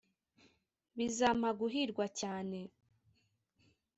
bizampa guhirwa cyane